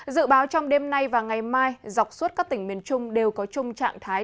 dự báo trong đêm nay và ngày mai dọc suốt các tỉnh miền trung đều có chung trạng thái